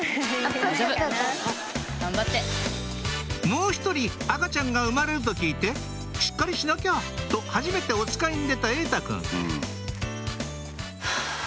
もう１人赤ちゃんが生まれると聞いて「しっかりしなきゃ」とはじめておつかいに出た瑛太くんはぁ。